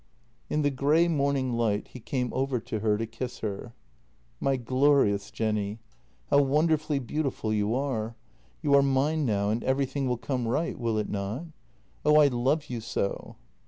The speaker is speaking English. In the grey morning light, he came over to her to kiss her: " My glorious Jenny. How wonderfully beautiful you are. You are mine now, and everything will come right, will it not? Oh, I love you so.